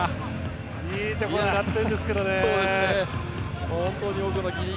いいところを狙ったんですけどね。